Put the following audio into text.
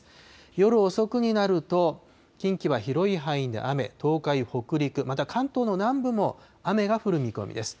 夜遅くになると近畿は広い範囲で雨、東海、北陸、また関東の南部も雨が降る見込みです。